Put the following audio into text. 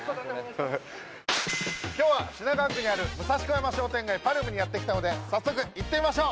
今日は品川区にある武蔵小山商店街パルムにやって来たので早速行ってみましょう！